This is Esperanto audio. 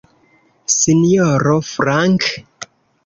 Sinjoro Frank?